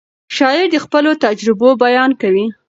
شاعر د خپلو تجربو بیان کوي.